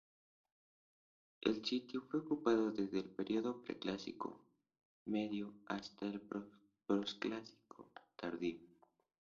El sitio fue ocupado desde el periodo preclásico medio hasta el posclásico tardío.